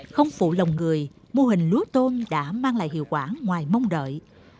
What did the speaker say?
không phụ lòng người mô hình lúa tôm đã mang lại hiệu quả ngoài mong đợi